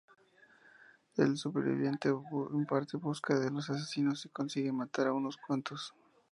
El superviviente parte en busca de los asesinos, y consigue matar a unos cuantos.